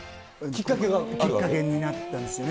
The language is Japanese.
きっかけになったんですよね。